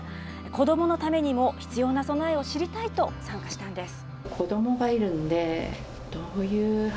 子どものためにも必要な備えを知りたいと参加したんです。